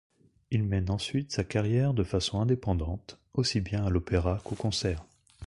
Il mène ensuite sa carrière de façon indépendante, aussi bien à l'opéra qu'au concert.